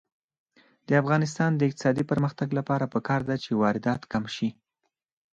د افغانستان د اقتصادي پرمختګ لپاره پکار ده چې واردات کم شي.